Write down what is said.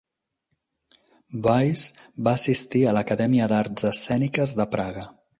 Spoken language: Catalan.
Weiss va assistir a l'Acadèmia d'Arts Escèniques de Praga.